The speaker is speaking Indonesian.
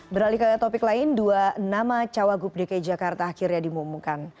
beralih ke topik lain dua nama cawagup dki jakarta akhirnya dimumumkan